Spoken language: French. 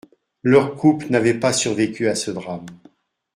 Leur couple n’avait pas survécu à ce drame.